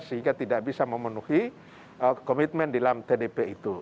sehingga tidak bisa memenuhi komitmen di dalam tdp itu